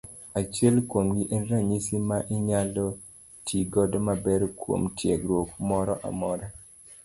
Achiel kuomgi en ranyisi ma inyalo ti godo maber kuom tiegruok moro amora.